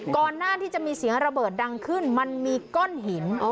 ก่อนหน้าที่จะมีเสียงระเบิดดังขึ้นมันมีก้อนหิน